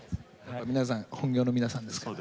皆さん本業の皆さんですから。